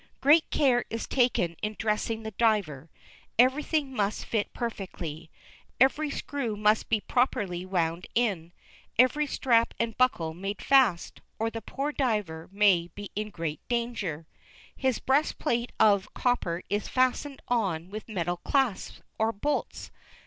Great care is taken in dressing the diver. Everything must fit perfectly, every screw must be properly wound in, every strap and buckle made fast, or the poor diver may be in great danger. His breastplate of copper is fastened on with metal clasps or bolts.